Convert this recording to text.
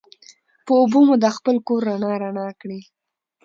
په اوبو مو دا خپل کور رڼا رڼا کړي